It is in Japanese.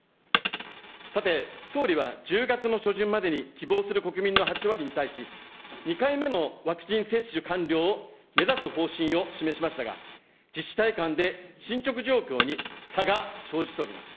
さて、総理は、１０月の初旬までに希望する国民の８割に対し、２回目のワクチン接種完了を目指す方針を示しましたが、自治体間で進捗状況に差が生じております。